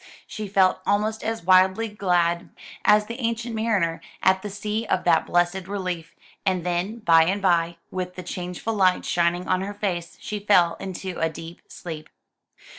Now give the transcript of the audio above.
She felt almost as wildly glad as the Ancient Mariner, at the idea of that blessed relief; and then, by and by, with the changeful light shining on her face, she fell into a deep sleep.